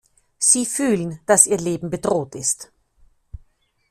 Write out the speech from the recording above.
Sie fühlen, dass ihr Leben bedroht ist.